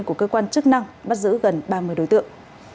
của cơ quan chức năng bắt giữ gần ba mươi đối tượng